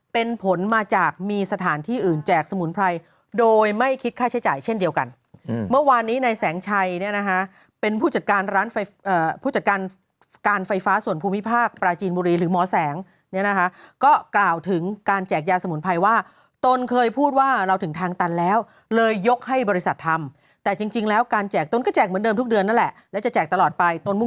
เป็นผลมาจากมีสถานที่อื่นแจกสมุนไพรโดยไม่คิดค่าใช้จ่ายเช่นเดียวกันอืมเมื่อวานนี้ในแสงชายเนี่ยนะคะเป็นผู้จัดการร้านไฟเอ่อผู้จัดการการไฟฟ้าส่วนภูมิภาคปราจินบุรีหรือหมอแสงเนี่ยนะคะก็กล่าวถึงการแจกยาสมุนไพรว่าตนเคยพูดว่าเราถึงทางตันแล้วเลยยกให้บริษัททำแต่จริงจริง